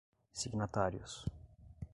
signatários